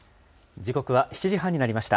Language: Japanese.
時刻は７時半になりました。